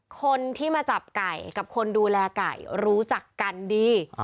คนที่มาจับไก่กับคนดูแลไก่รู้จักกันดี